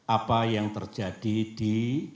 apa yang terjadi di